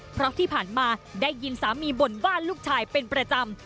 เพราะที่ผ่านมาได้ยินสามีบ่นบ้านลูกชายเป็นประจำ